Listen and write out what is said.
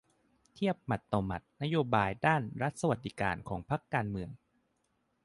เทียบหมัดต่อหมัด นโยบายด้าน 'รัฐสวัสดิการ' ของพรรคการเมือง